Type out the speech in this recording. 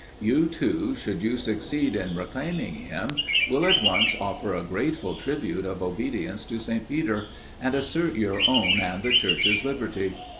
You, too, should you succeed in reclaiming him, will at once offer a grateful tribute of obedience to St. Peter, and assert your own and the Church's liberty.